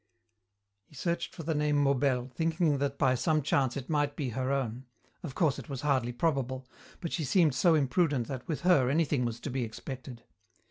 He searched for the name Maubel, thinking that by some chance it might be her own. Of course it was hardly probable, but she seemed so imprudent that with her anything was to be expected.